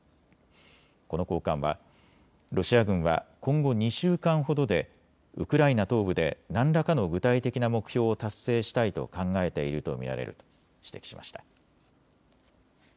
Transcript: この高官はロシア軍は今後２週間ほどでウクライナ東部で何らかの具体的な目標を達成したいと考えていると見られると指摘しました。